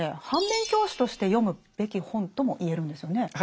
反面教師として読むべき本とも言えるんですよね。